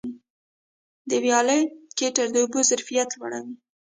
د ویالي کټېر د اوبو ظرفیت لوړوي.